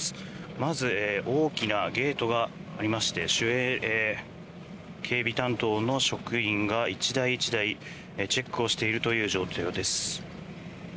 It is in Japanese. まず、大きなゲートがありまして守衛警備担当の職員が１台１台チェックをしているという状況です。